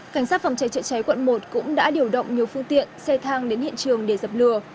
cảnh sát phòng cháy chữa cháy quận một cũng đã điều động nhiều phương tiện xe thang đến hiện trường để dập lừa